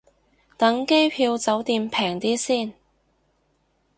等機票酒店平啲先